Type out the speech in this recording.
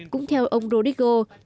cũng theo ông rodrigo